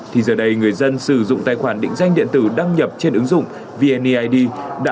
thì giờ đây người dân sử dụng tài khoản định danh điện tử đăng nhập trên ứng dụng vneid